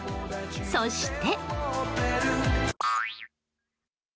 そして。